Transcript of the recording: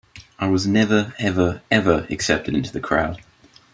I was never, ever, ever accepted into the crowd.